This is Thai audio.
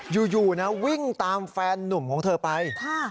อยู่นะวิ่งตามแฟนนุ่มของเธอไป